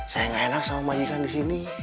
saya ga enak sama majikan disini